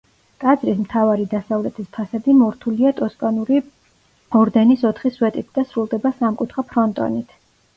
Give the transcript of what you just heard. ტაძრის მთავარი დასავლეთის ფასადი მორთულია ტოსკანური ორდენის ოთხი სვეტით და სრულდება სამკუთხა ფრონტონით.